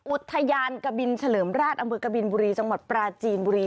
อุทยานกะบินเฉลิมราชอำเภอกบินบุรีจังหวัดปราจีนบุรี